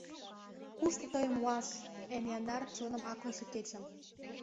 Кушто тыйым муаш — Эн яндар чоным аклыше кечым?